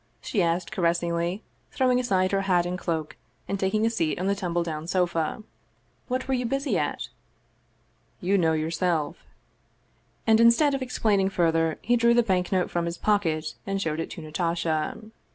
she asked caressingly, throwing aside her hat and cloak, and taking a seat on the tumble down sofa. "What were you busy at?" " You know, yourself." And instead of explaining further, he drew the bank note from his pocket and showed it to Natasha.